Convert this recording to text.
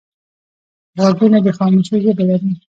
غوږونه د خاموشۍ ژبه لري